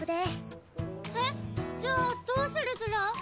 えっじゃあどうするずら？